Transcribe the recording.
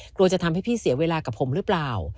กลัวจะทำให้พี่เสียเวลากับผมหรือเปล่า